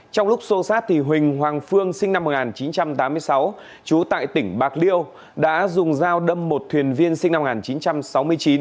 trong lúc xô xát huỳnh hoàng phương sinh năm một nghìn chín trăm tám mươi sáu trú tại tỉnh bạc liêu đã dùng dao đâm một thuyền viên sinh năm một nghìn chín trăm sáu mươi chín